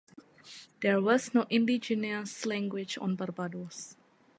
There was no indigenous language on Barbados.